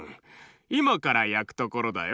いまからやくところだよ。